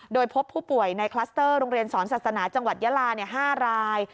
โดยพบผู้ป่วยในคลัสเตอร์โรงเรียนสอนศาสนาจังหวัดยาลา๕ราย